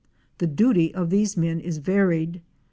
The duty of these men is varied.